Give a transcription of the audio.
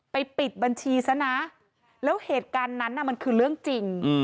ปิดบัญชีซะนะแล้วเหตุการณ์นั้นน่ะมันคือเรื่องจริง